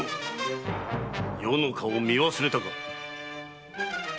余の顔を見忘れたか？